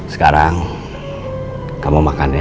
pertama kali kamu makan ya